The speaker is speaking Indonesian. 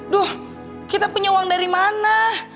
duh kita punya uang dari mana